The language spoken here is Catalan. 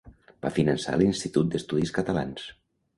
Va finançar l'Institut d'Estudis Catalans.